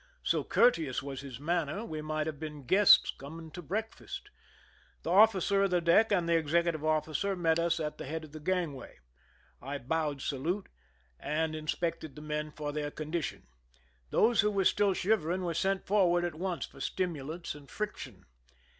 So courteous was his manner, we might have been guests coming to breakfast. The officer of the deck and the executive officer met us at the head of the ggmgway. I bowed salute, and inspected the men for their condition. Those who were still shivering were sent forward at once for stimulants and friction.